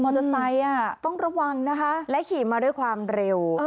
มอเตอร์ไซต์อ่ะต้องระวังนะคะและขี่มาด้วยความเร็ว